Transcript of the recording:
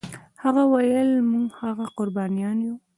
هغه ویل موږ هغه قربانیان یو.